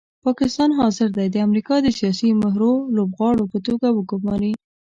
پاکستان حاضر دی د امریکا د سیاسي مهرو لوبغاړو په توګه ګوماري.